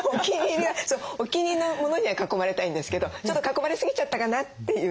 お気に入りのモノには囲まれたいんですけどちょっと囲まれすぎちゃったかなっていうね。